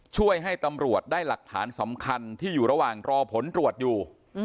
ช่วยให้ตำรวจได้หลักฐานสำคัญที่อยู่ระหว่างรอผลตรวจอยู่